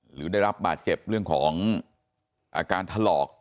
หรือได้รับบาดเจ็บเรื่องของอาการถลอก